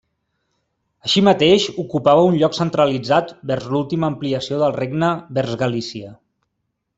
Així mateix, ocupava un lloc centralitzat vers l'última ampliació del regne vers Galícia.